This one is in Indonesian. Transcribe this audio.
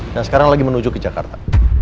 nah sekarang lagi menuju ke jakarta